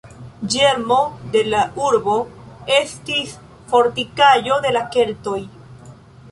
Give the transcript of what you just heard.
Ĝermo de la urbo estis fortikaĵo de la keltoj.